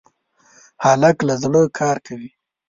هلک له زړه کار کوي.